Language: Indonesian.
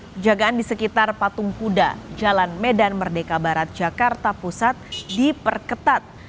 penjagaan di sekitar patung kuda jalan medan merdeka barat jakarta pusat diperketat